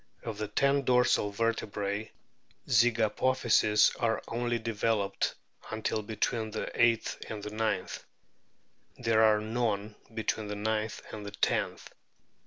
Of the ten dorsal vertebrae zygapophyses are only developed until between the eighth and ninth ; there are none between the ninth and tenth.